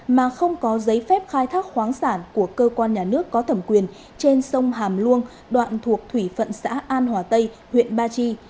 mà không có giấy phép khai thác khoáng sản của cơ quan nhà nước có thẩm quyền trên sông hàm luông đoạn thuộc thủy phận xã an hòa tây huyện ba chi